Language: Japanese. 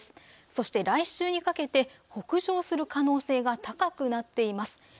そして来週にかけて北上する可能性が高くなっています。